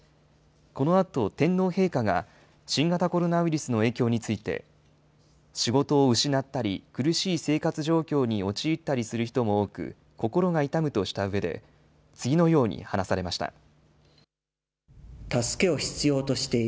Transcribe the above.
このあと天皇陛下が、新型コロナウイルスの影響について、仕事を失ったり苦しい生活状況に陥ったりする人も多く、心が痛むとしたうえで、次のように話されました。